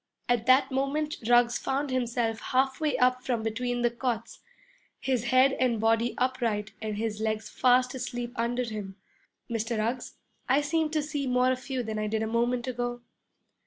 At that moment Ruggs found himself halfway up from between the cots, his head and body upright and his legs fast asleep under him. 'Mr. Ruggs, I seem to see more of you than I did a moment ago.'